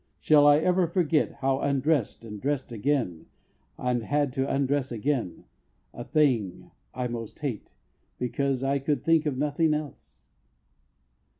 Shall I ever forget how I undressed and dressed again, and had to undress again a thing I most hate because I could think of nothing else?"